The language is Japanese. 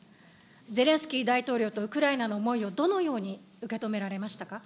ゼレンスキー大統領と、ウクライナの思いをどのように受け止められましたか。